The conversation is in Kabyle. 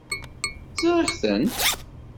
Ẓriɣ-tent.